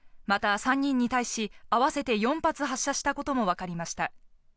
また３人に対し、合わせて４発、発射したこともわかりました。